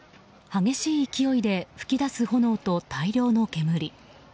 激しい勢いで噴き出す炎と大量の煙。